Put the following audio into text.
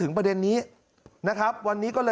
มึงอยากให้ผู้ห่างติดคุกหรอ